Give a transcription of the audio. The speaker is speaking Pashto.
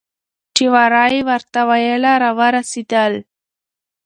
چې ورا یې ورته ویله راورسېدل.